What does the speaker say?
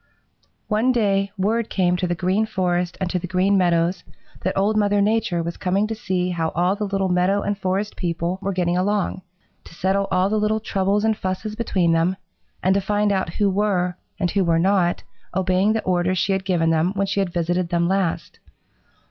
"One day word came to the Green Forest and to the Green Meadows that Old Mother Nature was coming to see how all the little meadow and forest people were getting along, to settle all the little troubles and fusses between them, and to find out who were and who were not obeying the orders she had given them when she had visited them last.